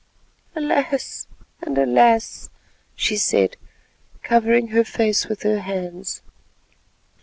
"Alas! and alas!" she said, covering her face with her hands.